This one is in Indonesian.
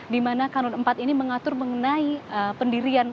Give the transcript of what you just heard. di mana kanun empat ini mengatur mengenai pendirian